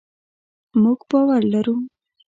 مونږ باور لرو